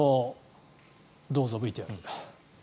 どうぞＶＴＲ。